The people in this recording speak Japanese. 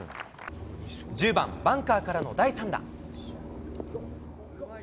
１０番、バンカーからの第３打。